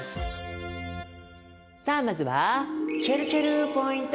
さあまずはちぇるちぇるポイント